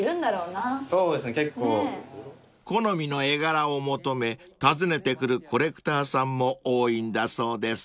［好みの絵柄を求め訪ねてくるコレクターさんも多いんだそうです］